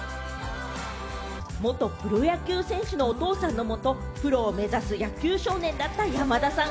元プロ野球選手のお父さんの元、プロを目指す野球少年だった山田さん。